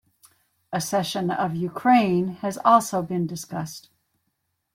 Accession of Ukraine has also been discussed.